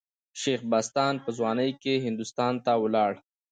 شېخ بستان په ځوانۍ کښي هندوستان ته ولاړ.